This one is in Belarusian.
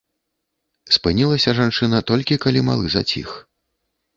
Спынілася жанчына толькі калі малы заціх.